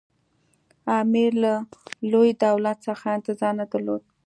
امیر له لوی دولت څخه انتظار نه درلود.